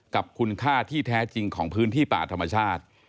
กับคุณค่าที่แท้จริงของพื้นที่ป่าธรรมชาติ